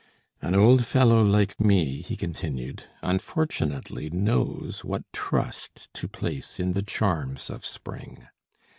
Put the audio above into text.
"An old fellow like me," he continued, "unfortunately knows what trust to place in the charms of spring.